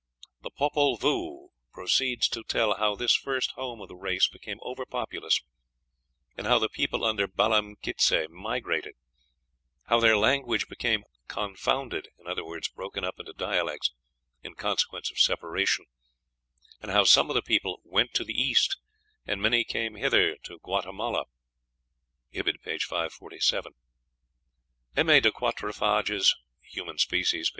The "Popol Vuh" proceeds to tell how this first home of the race became over populous, and how the people under Balam Quitze migrated; how their language became "confounded," in other words, broken up into dialects, in consequence of separation; and how some of the people "went to the East, and many came hither to Guatemala." (Ibid., p. 547.) M. A. de Quatrefages ("Human Species," p.